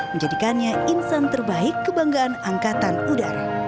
menjadikannya insan terbaik kebanggaan angkatan udara